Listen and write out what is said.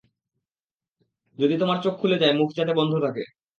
যদি তোমার চোখ খুলে যায় মুখ যাতে বন্ধ থাকে!